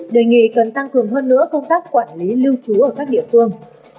đề nghị cần tăng cường hơn nữa công tác quản lý lưu trú ở các địa phương